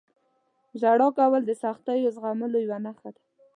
• ژړا کول د سختیو زغملو یوه نښه ده.